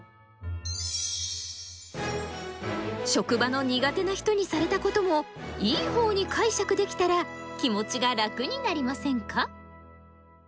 職場の苦手な人にされたこともいい方に解釈できたら気持ちがラクになりませんか？